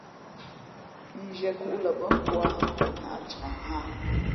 Zhiekhǔ lα bά nkō ā, o nāʼ cak nhᾱ a.